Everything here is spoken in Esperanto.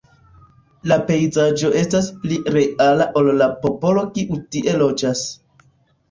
La pejzaĝo “estas pli reala ol la popolo kiu tie loĝas.